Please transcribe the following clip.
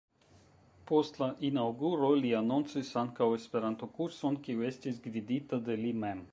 Post la inaŭguro li anoncis ankaŭ Esperanto-kurson, kiu estis gvidita de li mem.